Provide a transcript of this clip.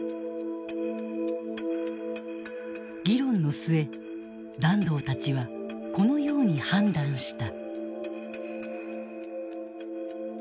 議論の末團藤たちはこのように判断した。